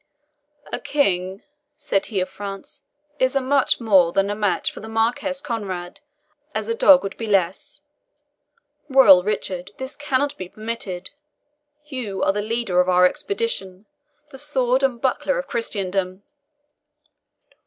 "A king," said he of France, "is as much more than a match for the Marquis Conrade as a dog would be less. Royal Richard, this cannot be permitted. You are the leader of our expedition the sword and buckler of Christendom."